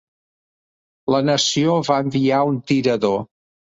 La nació va enviar un tirador.